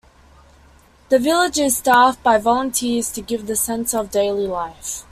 The village is staffed by volunteers to give the sense of daily life.